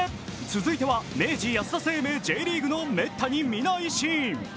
続いては明治安田生命Ｊリーグの滅多に見ないシーン。